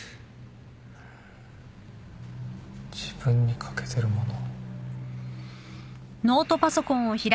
自分に欠けてるもの。